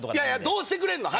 どうしてくれんの？